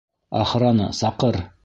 Охрана саҡыр!